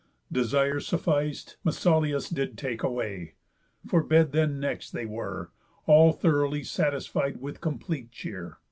Desire suffic'd, Mesauliús Did take away. For bed then next they were, All thoroughly satisfied with cómplete cheer.